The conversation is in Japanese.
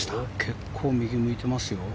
結構、右を向いてますよ。